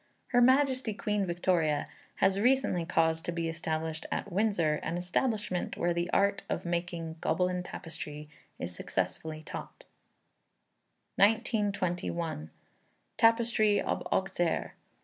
Her Majesty Queen Victoria has recently caused to be established at Windsor, an establishment where the art of making "Gobelin Tapestry" is successfully taught. 1921. Tapestry of Auxerre.